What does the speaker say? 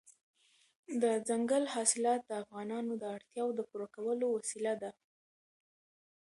دځنګل حاصلات د افغانانو د اړتیاوو د پوره کولو وسیله ده.